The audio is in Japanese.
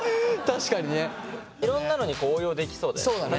いろんなのに応用できそうだよね。